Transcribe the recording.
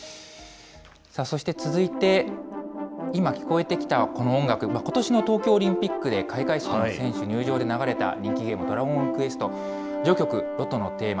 さあそして、続いて今、聞こえてきたこの音楽、ことしの東京オリンピックで、開会式の選手入場で流れた人気ゲーム、ドラゴンクエスト、序曲：ロトのテーマ。